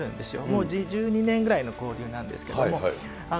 もう１２年ぐらいの交流なんですけども。